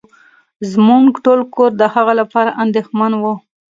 زمونږ ټول کور د هغه لپاره انديښمن وه.